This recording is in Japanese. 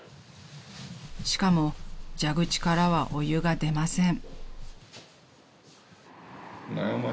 ［しかも蛇口からはお湯が出ません］